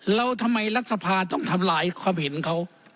แล้วทำไมรัฐสภาต้องทำลายความเห็นเขา